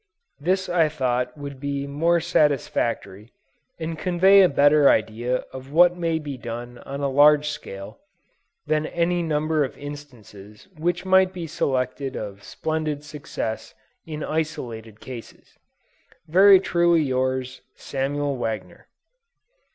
This I thought would be more satisfactory, and convey a better idea of what may be done on a large scale, than any number of instances which might be selected of splendid success in isolated cases. Very truly yours, SAMUEL WAGNER.